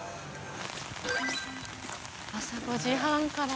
朝５時半から。